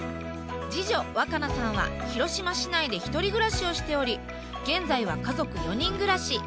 次女わか菜さんは広島市内で１人暮らしをしており現在は家族４人暮らし。